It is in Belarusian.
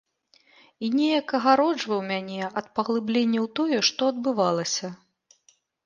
І неяк агароджваў мяне ад паглыблення ў тое, што адбывалася.